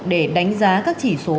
để đánh giá các chỉ số